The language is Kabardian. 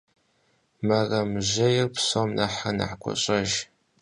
Мэрэмэжьейр псом нэхърэ нэхъ гуащӀэжщ.